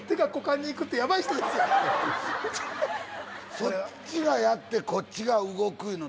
そっちがやってこっちが動くいうの。